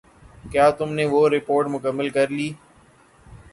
کیا تم نے وہ رپورٹ مکمل کر لی؟